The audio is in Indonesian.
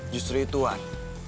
justru itu wan